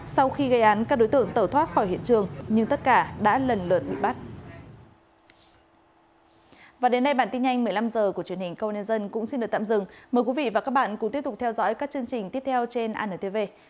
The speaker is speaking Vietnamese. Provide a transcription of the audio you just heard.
sau khi gây án các đối tượng tẩu thoát khỏi hiện trường nhưng tất cả đã lần lượt bị bắt